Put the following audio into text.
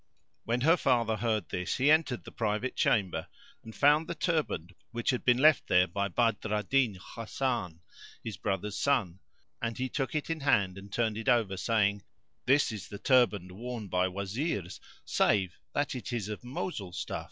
When her father heard this he entered the private chamber and found the turband which had been left there by Badr al Din Hasan, his brother's son, and he took it in hand and turned it over, saying, "This is the turband worn by Wazirs, save that it is of Mosul stuff."